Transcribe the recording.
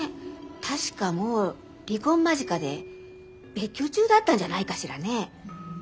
確かもう離婚間近で別居中だったんじゃないかしらね。